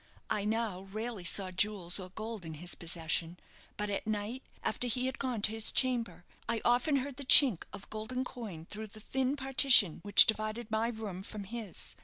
I now rarely saw jewels or gold in his possession; but at night, after he had gone to his chamber, I often heard the chink of golden coin through the thin partition which divided my room from his.